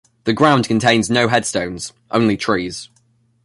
The ground contains no headstones - only trees.